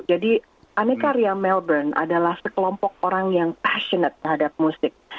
jadi anecaria melbourne adalah sekelompok orang yang passionate terhadap musik